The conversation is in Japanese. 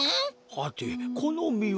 はてこのみは。